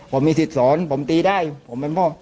ผมมีสิทธิ์สอนผมตีได้ผมเป็นพ่อ